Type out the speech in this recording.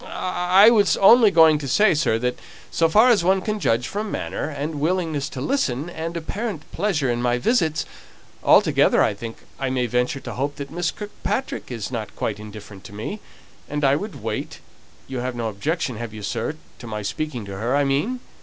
"I was only going to say, sir, that so far as one can judge from manner, and willingness to listen, and apparent pleasure in my visits altogether, I think I may venture to hope that Miss Kirkpatrick is not quite indifferent to me, and I would wait, you have no objection, have you, sir, to my speaking to her, I mean?"